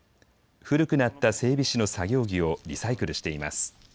古くなった整備士の作業着をリサイクルしています。